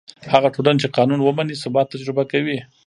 هغه ټولنه چې قانون ومني، ثبات تجربه کوي.